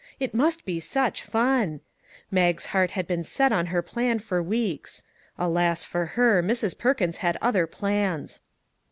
It must be such fun ! Mag's heart had been set on her plan for weeks. Alas for her! Mrs. Perkins had other plans.